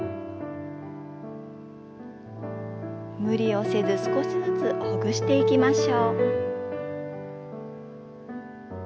無理をせず少しずつほぐしていきましょう。